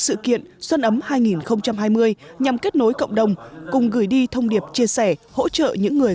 sự kiện xuân ấm hai nghìn hai mươi nhằm kết nối cộng đồng cùng gửi đi thông điệp chia sẻ hỗ trợ những người